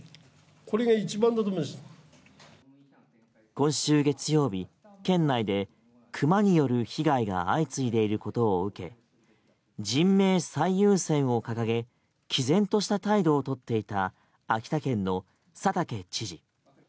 今週月曜日県内でクマによる被害が相次いでいることを受け人命最優先を掲げきぜんとした態度を取っていた秋田県の佐竹知事。